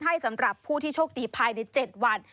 สำหรับผู้ที่โชคดีภายใน๗วัน